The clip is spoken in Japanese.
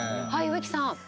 はい植木さん。